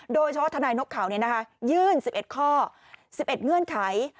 โดยเฉพาะทนายนกข่าวนี้นะคะยื่น๑๑ข้อ๑๑เงื่อนไข